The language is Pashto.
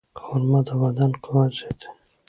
خرما د بدن قوت زیاتوي.